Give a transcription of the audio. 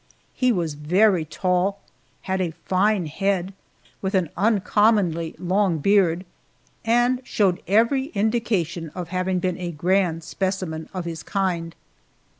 He was very tall, had a fine head, with an uncommonly long beard, and showed every indication of having been a grand specimen of his kind.